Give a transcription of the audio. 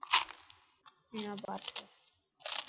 هيڻا بات ڪر.